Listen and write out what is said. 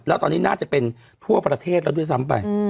แล้วตอนนี้น่าจะเป็นทั่วประเทศแล้วด้วยซ้ำไป